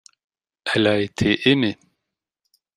elle a été aimée.